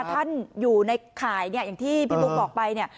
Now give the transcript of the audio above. ท่านอยู่ในข่ายอย่างที่พี่บุ๊คบอกไป